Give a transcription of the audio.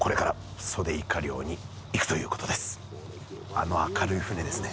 あの明るい船ですね。